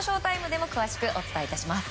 ＳＨＯ‐ＴＩＭＥでも詳しくお伝えいたします。